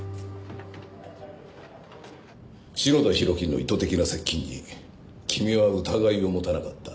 篠田浩輝の意図的な接近に君は疑いを持たなかった。